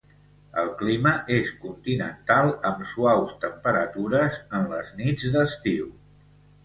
El clima és continental amb suaus temperatures en les nits d'estiu.